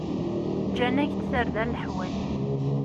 Gǧan-ak-d tarda leḥwal.